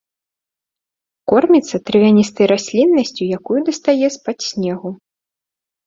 Корміцца травяністай расліннасцю, якую дастае з-пад снегу.